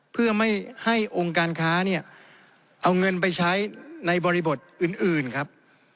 เพื่อไม่ให้องค์การค้าเนี่ยเอาเงินไปใช้ในบริบทอื่นครับ